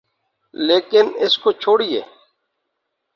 لیکن اس کو چھوڑئیے۔